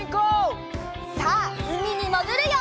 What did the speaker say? さあうみにもぐるよ！